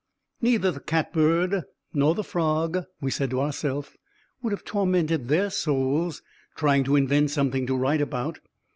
Neither the catbird nor the frog, we said to ourself, would have tormented their souls trying to "invent" something to write about.